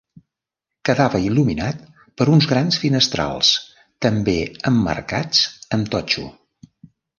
Quedava il·luminat per uns grans finestrals, també emmarcats amb totxo.